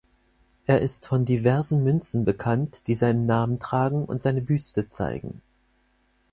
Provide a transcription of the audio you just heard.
Er ist von diversen Münzen bekannt, die seinen Namen tragen und seine Büste zeigen.